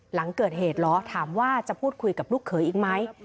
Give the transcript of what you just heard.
หลังเกิดเหตุเหรอถามว่าจะพูดคุยกับลูกเขยอีกไหม